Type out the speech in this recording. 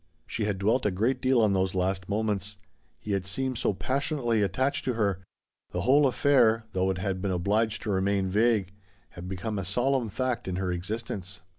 She had dwelt a great deal on those last moments. He had seemed so passionately attached to her ; the whole affair, though it had been obliged to remain vague, had be come a solemn fact in her existence.